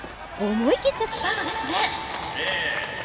思い切ったスパートですねええ